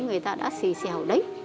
người ta đã xì xèo đấy